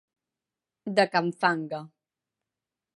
De can Fanga.